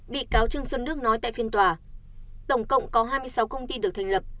bị cáo trương xuân đức nói tại phiên tòa tổng cộng có hai mươi sáu công ty được thành lập